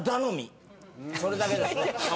それだけですね。